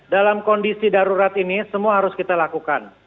dalam kondisi darurat ini semua harus kita lakukan